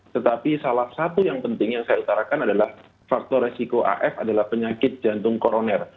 tetapi salah satu yang penting yang saya utarakan adalah faktor resiko af adalah penyakit jantung koroner